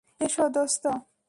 এসো, দোস্ত।